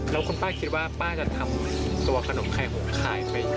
แล้วคุณป้าคิดว่าป้าจะทำตัวขนมไข่หงขายไหม